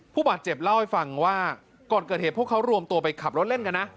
ผู้บาดเจ็บเล่าให้ฟังว่าก่อนเกิดเหตุพวกเขารวมตัวไปขับรถเล่นกันนะ